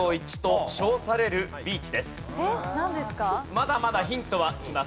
まだまだヒントはきます。